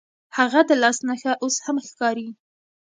هغه د لاس نښه اوس هم ښکاري.